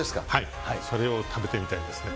それを食べてみたいですね。